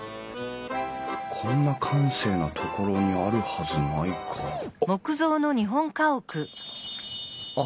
こんな閑静な所にあるはずないかあっ。